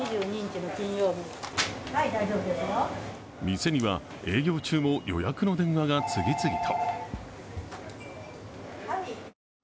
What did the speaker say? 店には営業中も予約の電話が次々と。